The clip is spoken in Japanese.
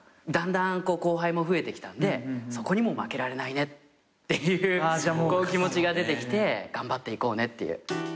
だんだん後輩も増えてきたんでそこにも負けられないねっていう気持ちが出てきて頑張っていこうねっていう。